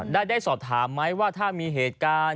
ได้สอบถามไหมว่าถ้ามีเหตุการณ์